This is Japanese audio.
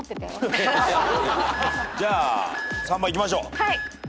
じゃあ３番いきましょう。